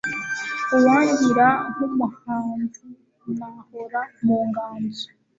Uwangira nkumuhanzi Nahora mu nganzo